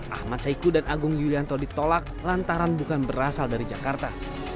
ahmad saiku dan agung yulianto ditolak lantaran bukan berasal dari jakarta